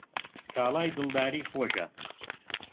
سکاڵای دڵداری خۆشە